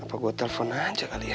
apa gue telpon aja kali ya